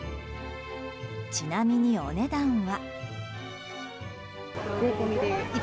ちなみに、お値段は。